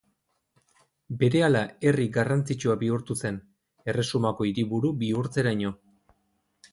Berehala herri garrantzitsua bihurtu zen, erresumako hiriburu bihurtzeraino.